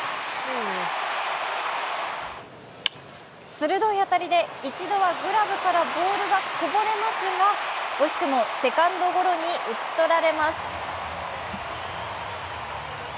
鋭い当たりで一度はグラブからボールがこぼれますが惜しくもセカンドゴロに打ち取られます。